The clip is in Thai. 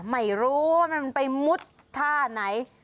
ไม่รู้ว่ามันไปมุดท่าไหน